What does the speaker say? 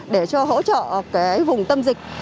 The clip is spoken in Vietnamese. để cho hỗ trợ vùng tâm dịch